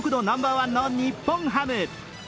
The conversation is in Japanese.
ナンバーワンの日本ハム。